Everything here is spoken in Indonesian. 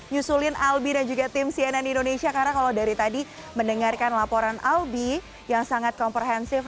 nyusulin albi dan juga tim cnn indonesia karena kalau dari tadi mendengarkan laporan albi yang sangat komprehensif